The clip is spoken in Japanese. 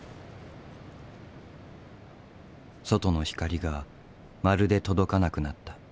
外の光がまるで届かなくなった。